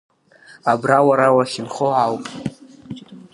Абра уара уахьынхо ауп.